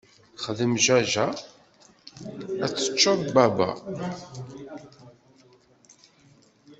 Xdem jajja, ad tteččeḍ bwabbwa!